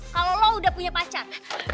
kalau lo udah punya pacar